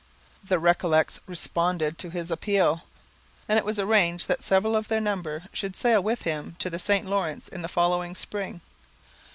The Recollets responded to his appeal, and it was arranged that several of their number should sail with him to the St Lawrence in the following spring.